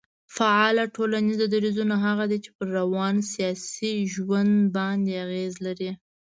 فعاله ټولنيز درځونه هغه دي چي پر روان سياسي ژوند باندي اغېز لري